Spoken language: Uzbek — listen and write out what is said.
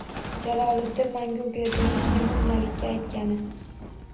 Jaloliddin Manguberdining Temur Malikka aytgani.